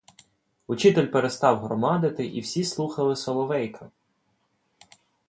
Учитель перестав громадити, і всі слухали соловейка.